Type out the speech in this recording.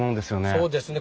そうですね。